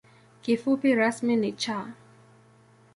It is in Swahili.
Kifupi rasmi ni ‘Cha’.